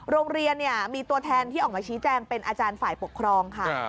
โรงเรียนมีตัวแทนที่ออกมาชี้แจงเป็นอาจารย์ฝ่ายปกครองค่ะ